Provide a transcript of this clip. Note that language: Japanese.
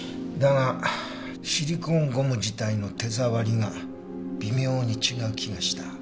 だがシリコンゴム自体の手触りが微妙に違う気がした。